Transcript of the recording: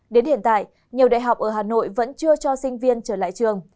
đến hiện tại nhiều đại học ở hà nội vẫn chưa cho sinh viên trở lại trường